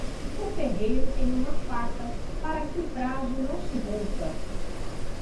O ferreiro tem uma faca, para que o prazo não se rompa.